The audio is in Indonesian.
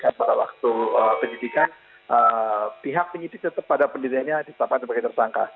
karena pada waktu penyidikan pihak penyidik tetap pada penyidiknya disampaikan sebagai tersangka